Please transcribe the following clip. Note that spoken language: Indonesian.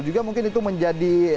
juga mungkin itu menjadi